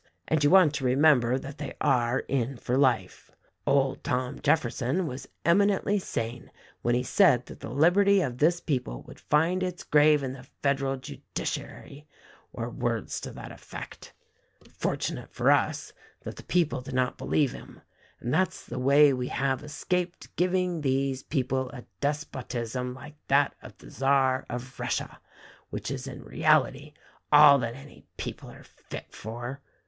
And you want to remem ber that they are in for life. Old Tom Jefferson was emi nently sane when he said that the liberty of this people would find its grave in the federal judiciary — or words to that THE RECORDING ANGEL 263 effect. Fortunate for us that the people did not believe him ! And that's the way we have escaped giving these people a despotism like that of the Czar of Russia, which is in reality all that any people are fit for.